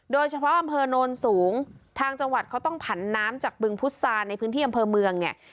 โดยเฉพาะอำเภอโนนสูงทางจังหวัดเขาต้องผันน้ำจากบึงพุษาในพื้นที่อำเภอเมืองเนี่ย